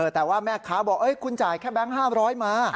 แต่ว่าแม่ค้าบอกคุณจ่ายแค่แบงค์๕๐๐มา